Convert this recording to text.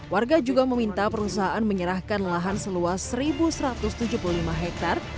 warga juga meminta perusahaan menyerahkan lahan seluas satu satu ratus tujuh puluh lima hektare